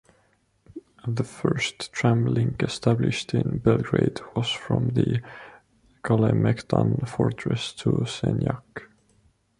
The first tram link established in Belgrade was from the Kalemegdan fortress to Senjak.